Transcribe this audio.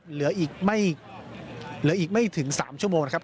เหลืออีกไม่ถึง๓ชั่วโมงนะครับ